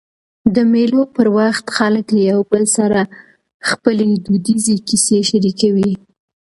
د مېلو پر وخت خلک له یو بل سره خپلي دودیزي کیسې شریکوي.